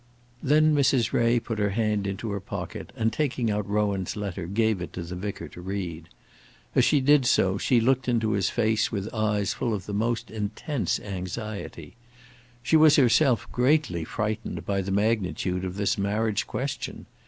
Then Mrs. Ray put her hand into her pocket, and taking out Rowan's letter, gave it to the vicar to read. As she did so, she looked into his face with eyes full of the most intense anxiety. She was herself greatly frightened by the magnitude of this marriage question.